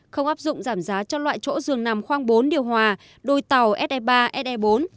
không áp dụng giảm giá cho loại chỗ dừng nằm khoang bốn điều hòa đôi tàu se ba se bốn